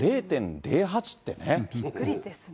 びっくりですね。